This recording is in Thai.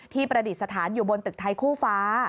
ประดิษฐานอยู่บนตึกไทยคู่ฟ้า